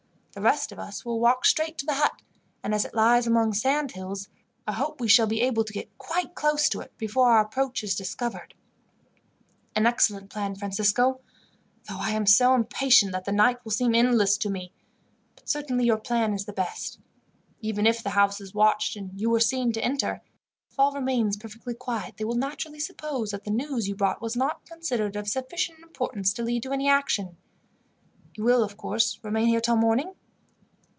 The rest of us will walk straight to the hut, and, as it lies among sand hills, I hope we shall be able to get quite close to it before our approach is discovered." "An excellent plan, Francisco, though I am so impatient that the night will seem endless to me; but certainly your plan is the best. Even if the house is watched, and you were seen to enter, if all remains perfectly quiet they will naturally suppose that the news you brought was not considered of sufficient importance to lead to any action. You will, of course, remain here till morning?"